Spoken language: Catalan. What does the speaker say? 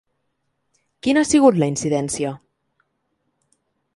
Quina ha sigut la incidència?